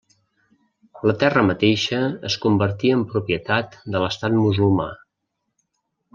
La terra mateixa es convertia en propietat de l'estat musulmà.